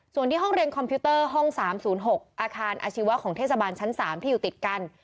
ส่วนที่ห้องเรียนคอมพิวเตอร์ห้อง๓๐๖อาคารอาชีวะของเทศบาลชั้น๓ที่อยู่ติดกัน